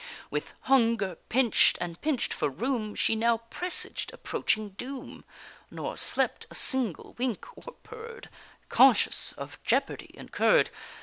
With hunger pinch'd, and pinch'd for room, She now presaged approaching doom, Nor slept a single wink, or purr'd, Conscious of jeopardy incurr'd.